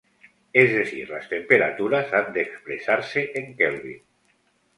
Es decir, las temperaturas han de expresarse en kelvin.